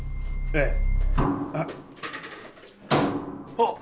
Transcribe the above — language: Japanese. あっ！